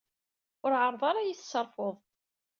Ur ɛeṛṛeḍ ara ad iyi-tesserfuḍ.